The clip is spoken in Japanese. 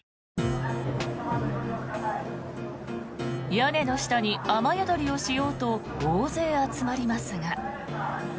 屋根の下に、雨宿りをしようと大勢集まりますが。